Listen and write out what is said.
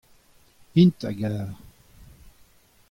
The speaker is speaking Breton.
int a gar.